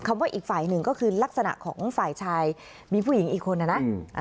ว่าอีกฝ่ายหนึ่งก็คือลักษณะของฝ่ายชายมีผู้หญิงอีกคนนะนะ